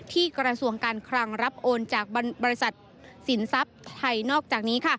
กระทรวงการคลังรับโอนจากบริษัทสินทรัพย์ไทยนอกจากนี้